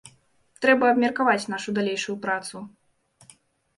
Трэба абмеркаваць нашу далейшую працу.